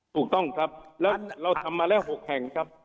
ถูกต้องครับแล้วเราทำมาแล้ว๖แห่งครับ